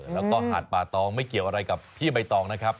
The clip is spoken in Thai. แล้วก็หาดป่าตองไม่เกี่ยวอะไรกับพี่ใบตองนะครับ